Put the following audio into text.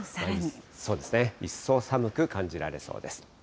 そうですね、一層寒く感じられそうです。